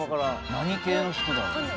何系の人だろう？